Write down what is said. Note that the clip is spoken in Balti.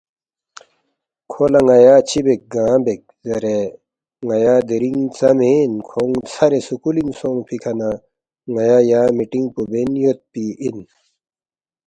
یو لہ ن٘یا چِہ بیک گانگ بیک زیرے ن٘یا دِرِنگ ژا مین کھونگ ژھرے سکُولِنگ سونگفی کھہ نہ ن٘یا یا مِٹینگ پو بین یودپی اِن